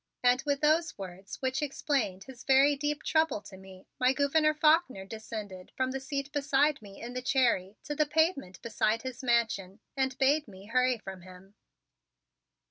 And with those words, which explained his very deep trouble to me, my Gouverneur Faulkner descended from the seat beside me in the Cherry to the pavement beside his Mansion and bade me hurry from him.